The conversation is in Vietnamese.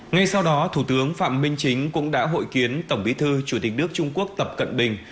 ngay sau đó thủ tướng phạm minh chính cũng đã hội kiến tổng bí thư chủ tịch nước trung quốc tập cận bình